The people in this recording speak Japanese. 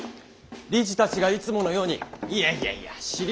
理事たちがいつものように「いやいやいや知りませんよ。